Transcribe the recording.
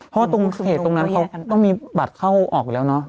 เพราะว่าตรงเขตตรงนั้นเขาต้องมีบัตรเข้าออกอยู่แล้วเนอะ